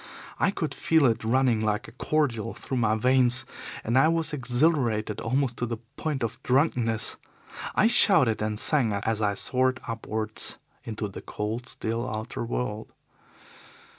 I could feel it running like a cordial through my veins, and I was exhilarated almost to the point of drunkenness. I shouted and sang as I soared upwards into the cold, still outer world.